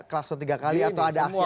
kelas ketiga kali atau ada aksi aksi lain